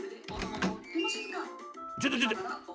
ちょっとちょっと。